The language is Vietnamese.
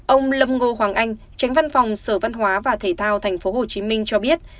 ông lâm ngô hoàng anh tránh văn phòng sở văn hóa và thể thao tp hcm cho biết